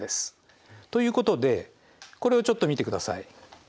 ということでこれをちょっと見てください。